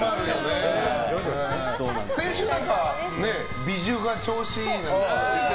先週ビジュが調子いいって。